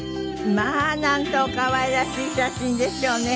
まあなんとお可愛らしい写真でしょうね。